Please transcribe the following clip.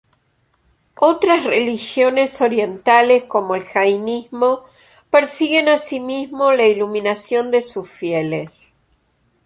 Otras religiones orientales, como el jainismo, persiguen asimismo la iluminación de sus fieles.